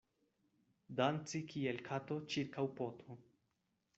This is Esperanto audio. Danci kiel kato ĉirkaŭ poto.